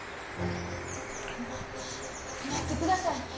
ま待ってください。